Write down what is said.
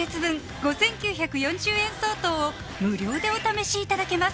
５９４０円相当を無料でお試しいただけます